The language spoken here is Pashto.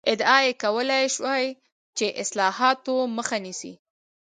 ادعا یې کولای شوای چې اصلاحاتو مخه نیسي.